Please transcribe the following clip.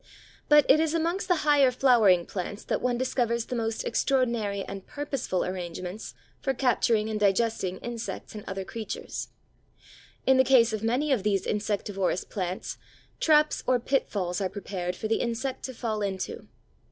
But it is amongst the higher flowering plants that one discovers the most extraordinary and purposeful arrangements for capturing and digesting insects and other creatures. In the case of many of these insectivorous plants, traps or pitfalls are prepared for the insect to fall into.